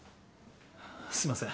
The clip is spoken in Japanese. すいません